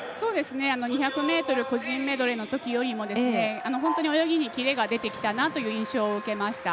２００ｍ個人メドレーのときより本当に泳ぎにキレが出てきたなという印象を受けました。